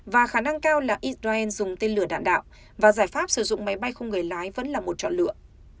và khả năng cao là israel dùng tên lửa đạn đạo và giải pháp sử dụng máy bay không người lái vẫn là một chọn lựa